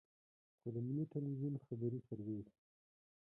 خو د ملي ټلویزیون خبري سرویس.